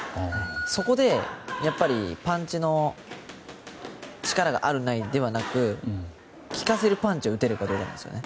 そこでパンチの力があるないではなく効かせるパンチを打てるかどうかなんですよね。